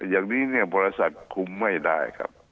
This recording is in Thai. อย่างนี้เนี่ยบริษัทคุมไม่ได้ครับ